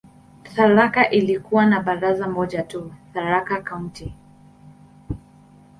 Tharaka ilikuwa na baraza moja tu, "Tharaka County".